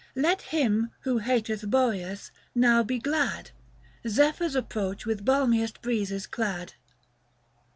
Let him, who hateth Boreas, now be glad ; Zephyrs approach with balmiest breezes clad.